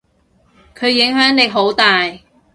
佢影響力好大。